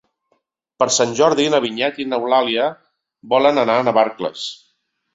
Per Sant Jordi na Vinyet i n'Eulàlia volen anar a Navarcles.